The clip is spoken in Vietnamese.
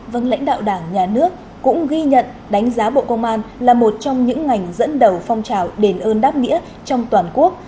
vâng lãnh đạo đảng nhà nước cũng ghi nhận đánh giá bộ công an là một trong những ngành dẫn đầu phong trào đền ơn đáp nghĩa trong toàn quốc